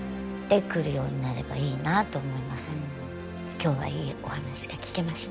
今日はいいお話が聞けました。